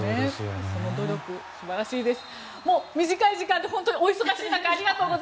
その努力、素晴らしいです。